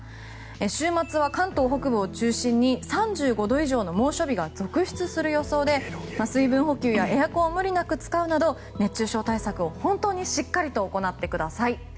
週末は関東北部を中心に３５度以上の猛暑日が続出する予想で、水分補給やエアコンを無理なく使うなど熱中症対策をしっかり行ってください。